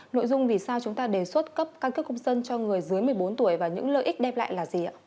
nội dung vì sao chúng ta đề xuất cấp căn cước công dân cho người dưới một mươi bốn tuổi và những lợi ích đem lại là gì ạ